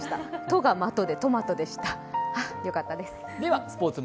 戸が的でトマトでした。